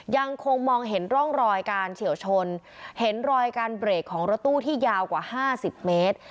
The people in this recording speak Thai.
ยังคงมองเห็นร่องรอยการเฉียวชนเห็นรอยการเบรกของรถตู้ที่ยาวกว่า๕๐เมตร